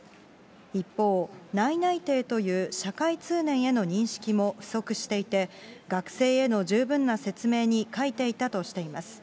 一方、内々定という社会通念への認識も不足していて、学生への十分な説明に欠いていたとしています。